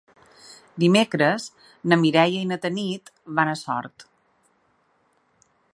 Dimecres na Mireia i na Tanit van a Sort.